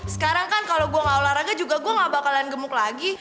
sekarang kan kalau gue gak olahraga juga gue gak bakalan gemuk lagi